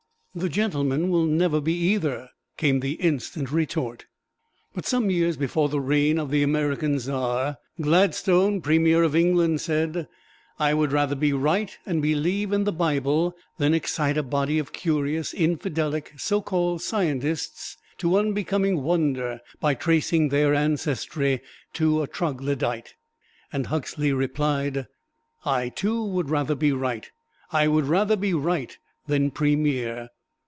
"The gentleman will never be either," came the instant retort. But some years before the reign of the American Czar, Gladstone, Premier of England, said, "I would rather be right and believe in the Bible, than excite a body of curious, infidelic, so called scientists to unbecoming wonder by tracing their ancestry to a troglodyte." And Huxley replied, "I, too, would rather be right I would rather be right than Premier."